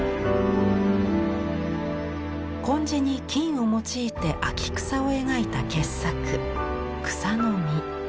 紺地に金を用いて秋草を描いた傑作「草の実」。